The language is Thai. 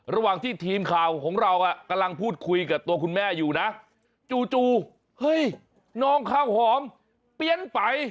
ระหว่างที่ทีมข่าวของเรากำลังพูดคุยกับตัวคุณแม่อยู่นะจู่เฮ้ยน้องข้าวหอมเปลี่ยนไป